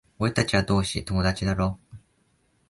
俺たちは同志、友達だろ？